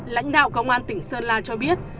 lãnh đạo công an tỉnh sơn la cho biết